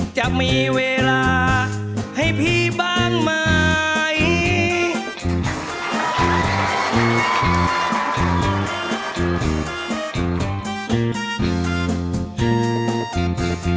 จะมีเวลาให้พี่บ้างไหม